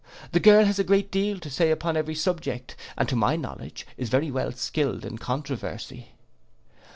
The girl has a great deal to say upon every subject, and to my knowledge is very well skilled in controversy.